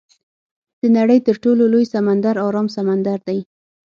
د نړۍ تر ټولو لوی سمندر ارام سمندر دی.